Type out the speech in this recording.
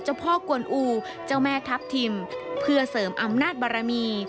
พ่อกวนอูเจ้าแม่ทัพทิมเพื่อเสริมอำนาจบารมี